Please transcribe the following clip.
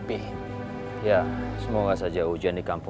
boleh saya bantu